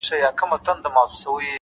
لوړ لید د امکاناتو افق پراخوي’